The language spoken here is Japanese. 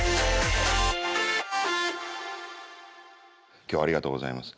今日はありがとうございます。